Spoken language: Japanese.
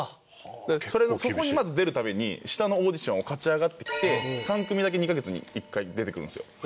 そこにまず出るために下のオーディションを勝ち上がってきて３組だけ２カ月に１回出てくるんですよ。